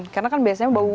karena kan biasanya bau